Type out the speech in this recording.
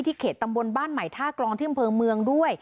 เขตตำบลบ้านใหม่ท่ากรองที่อำเภอเมืองด้วย